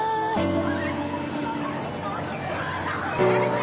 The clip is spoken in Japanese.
はい。